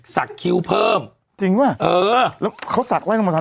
สักคิ้วเพิ่ม